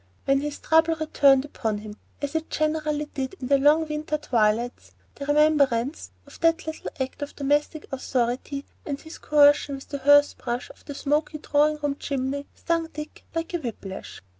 When his trouble returned upon him, as it generally did in the long winter twilights, the remembrance of that little act of domestic authority and his coercion with a hearth brush of the smoky drawing room chimney stung Dick like a whip lash.